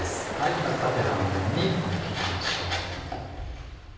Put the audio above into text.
まず縦半分に切りましょう。